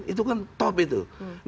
di akhirnya dia dikepung